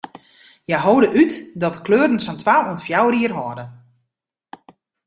Hja hâlde út dat de kleuren sa'n twa oant fjouwer jier hâlde.